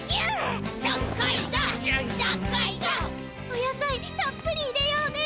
おやさいたっぷり入れようね！